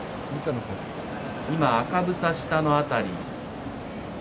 今、赤房下の辺り。